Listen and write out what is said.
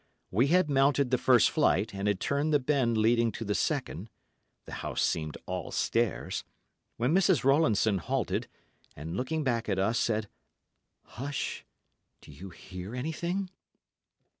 We had mounted the first flight, and had turned the bend leading to the second—the house seemed all stairs—when Mrs. Rowlandson halted, and, looking back at us, said, "Hush! Do you hear anything?"